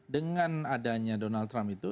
dengan adanya donald trump itu